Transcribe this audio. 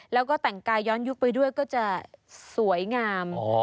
แล้วก็แต่งกายย้อนยุคไปด้วยก็จะสวยงาม